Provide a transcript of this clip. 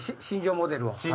新庄モデルの？